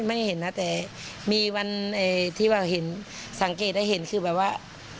ไม่เห็นนะแต่มีวันที่ว่าเห็นสังเกตได้เห็นคือแบบว่า